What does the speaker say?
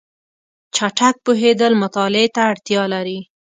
چټک پوهېدل مطالعه ته اړتیا لري.